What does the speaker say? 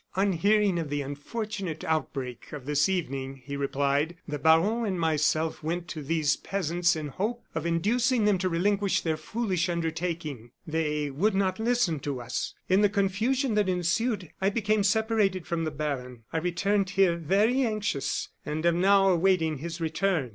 "On hearing of the unfortunate outbreak of this evening," he replied, "the baron and myself went to these peasants, in the hope of inducing them to relinquish their foolish undertaking. They would not listen to us. In the confusion that ensued, I became separated from the baron; I returned here very anxious, and am now awaiting his return."